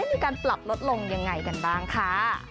มีการปรับลดลงยังไงกันบ้างค่ะ